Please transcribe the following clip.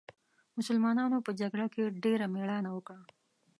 مسلمانانو په جګړه کې ډېره مېړانه وکړه.